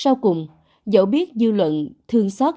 sau cùng dẫu biết dư luận thương xót cho nam sinh